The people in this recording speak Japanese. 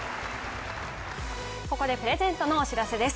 ここでプレゼントのお知らせです。